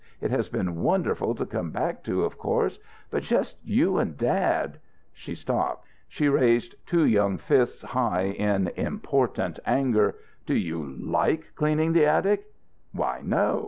It has been wonderful to come back to, of course. But just you and dad." She stopped. She raised two young fists high in important anger. "Do you like cleaning the attic?" "Why, no.